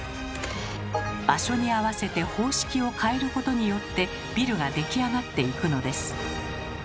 場所に合わせて方式を変えることによってビルが出来上がっていくのです。